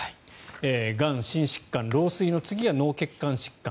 がん、心疾患、老衰の次が脳血管疾患。